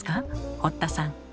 堀田さん。